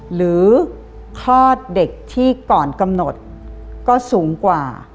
คลอดเด็กที่ก่อนกำหนดก็สูงกว่า